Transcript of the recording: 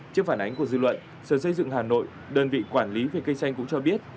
trước phản ánh của dư luận sở xây dựng hà nội đơn vị quản lý về cây xanh cũng cho biết